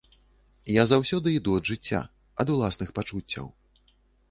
Я заўсёды іду ад жыцця, ад уласных пачуццяў.